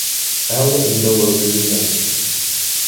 Elle and Noah reunite.